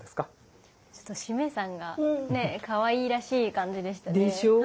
ちょっと七五三さんがねえかわいらしい感じでしたね。でしょう。